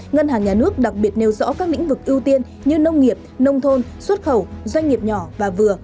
ngân hàng nhà nước đặc biệt nêu rõ các lĩnh vực ưu tiên như nông nghiệp nông thôn xuất khẩu doanh nghiệp nhỏ và vừa